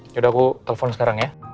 yaudah aku telepon sekarang ya